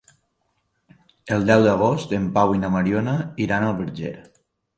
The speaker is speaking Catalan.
El deu d'agost en Pau i na Mariona iran al Verger.